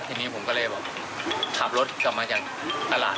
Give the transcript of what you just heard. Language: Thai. ทีนี้ผมก็เลยแบบขับรถกลับมาจากตลาด